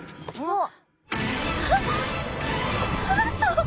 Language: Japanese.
あっ。